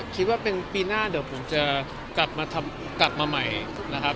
คิดว่าเป็นปีหน้าเดี๋ยวผมจะกลับมาใหม่นะครับ